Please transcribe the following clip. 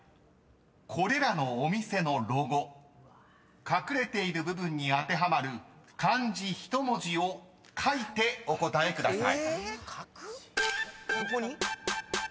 ［これらのお店のロゴ隠れている部分に当てはまる漢字１文字を書いてお答えください］